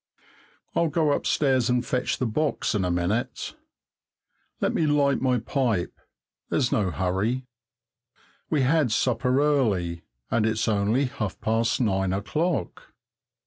I'll go upstairs and fetch the box in a minute. Let me light my pipe; there's no hurry! We had supper early, and it's only half past nine o'clock.